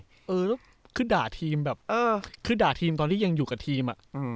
แล้วคือด่าทีมแบบคือด่าทีมตอนที่ยังอยู่กับทีม